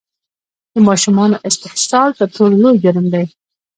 د ماشومانو استحصال تر ټولو لوی جرم دی!